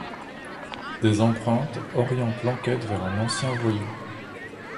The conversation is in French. Des empreintes orientent l'enquête vers un ancien voyou.